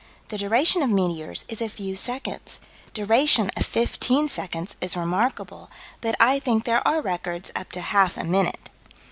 The duration of meteors is a few seconds: duration of fifteen seconds is remarkable, but I think there are records up to half a minute.